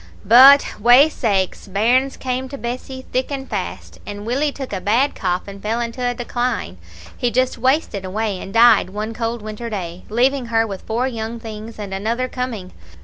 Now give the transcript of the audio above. "But, wae sakes! bairns came to Bessie thick and fast, and Willie took a bad cough, and fell into a decline. He just wasted away, and died one cold winter day, leaving her with four young things, and another coming.